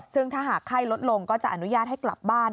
ซึ่งถ้าหากไข้ลดลงก็จะอนุญาตให้กลับบ้าน